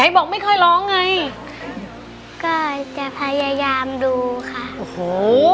บอกไม่ค่อยร้องไงก็จะพยายามดูค่ะโอ้โห